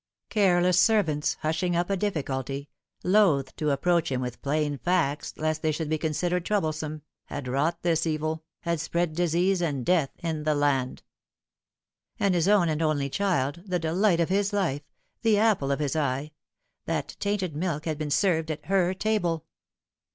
Careless servants, hushing up a difficulty, loth to approach him with plain facts lest they should be considered troublesome, had wrought this evil, bad spread disease and death in the land. And his own and only child, the delight of his life, the apple of his eye that tainted milk had been served at her table!